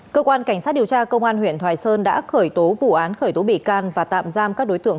cơ quan cảnh sát điều tra công an huyện thoại sơn đã khởi tố vụ án khởi tố bị can và tạm giam các đối tượng